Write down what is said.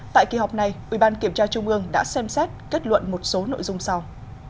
tại kỳ họp này ubkt đã xem xét kết luận một số nội dung sau